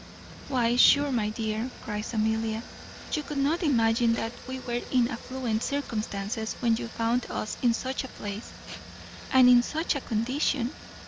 "Why, sure, my dear," cries Amelia, "you could not imagine that we were in affluent circumstances, when you found us in such a place, and in such a condition."